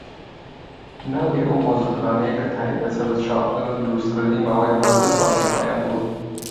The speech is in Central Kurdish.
ناوی ئەو مۆزەخانەیە کە تایبەتە بە چاپلن و دروستکردنی ماوەی پازدە ساڵی خایاندووە